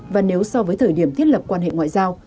và nếu so với thời điểm thiết lập quan hệ ngoại giao